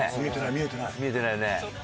見えてないよね。